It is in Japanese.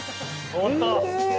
変わった。